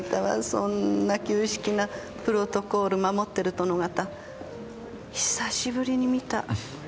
そんな旧式なプロトコール守ってる殿方久しぶりに見た。